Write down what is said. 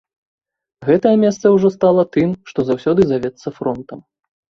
Гэтае месца ўжо стала тым, што заўсёды завецца фронтам.